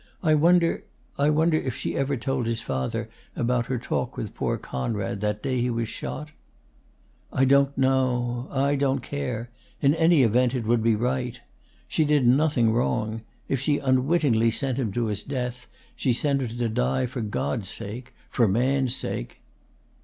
"I wonder I wonder if she ever told his father about her talk with poor Conrad that day he was shot?" "I don't know. I don't care. In any event, it would be right. She did nothing wrong. If she unwittingly sent him to his death, she sent him to die for God's sake, for man's sake."